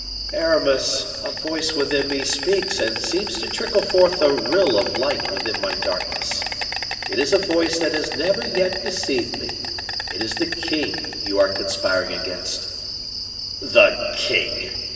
"Aramis, a voice within me speaks and seems to trickle forth a rill of light within my darkness: it is a voice that has never yet deceived me. It is the king you are conspiring against." "The king?"